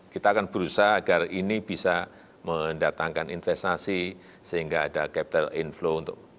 kita akan berusaha agar ini bisa mendatangkan investasi sehingga ada capital inflow untuk